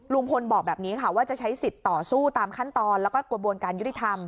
ลุงพลบอกแบบนี้ค่ะว่าจะใช้สิทธิ์ต่อสู้ตามขั้นตอนแล้วก็กระบวนการยุติธรรม